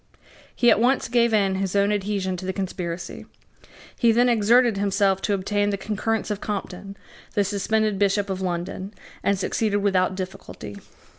He at once gave in his own adhesion to the conspiracy. He then exerted himself to obtain the concurrence of Compton, the suspended Bishop of London, and succeeded without difficulty.